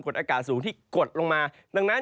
อากาศสูงที่กดลงมาดังนั้น